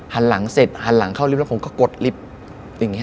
หันหลังเสร็จหันหลังเข้าลิปแล้วผมก็กดลิปเหมือนเฮ้ย